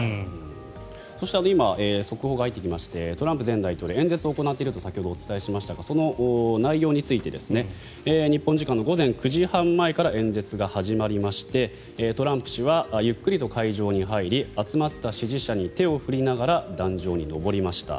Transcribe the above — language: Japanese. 今、速報が入ってきましてトランプ前大統領、演説を行っていると先ほどお伝えしましたがその内容について日本時間午前９時半前から演説が始まりましてトランプ氏はゆっくりと会場に入り集まった支持者に手を振りながら壇上に登りました。